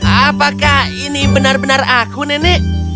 apakah ini benar benar aku nenek